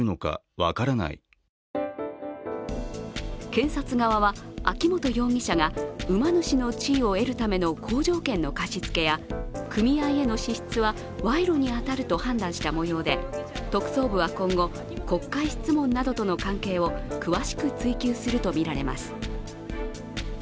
検察側は、秋本容疑者が馬主の地位を得るための好条件の貸付や組合への支出は賄賂に当たると判断したもようで、特捜部は今後、国会質問などとの関係を詳しく追及するとみられます。